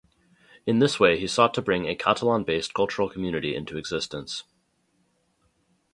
In this way he sought to bring a Catalan-based cultural community into existence.